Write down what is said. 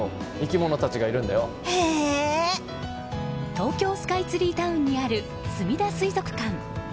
東京スカイツリータウンにあるすみだ水族館。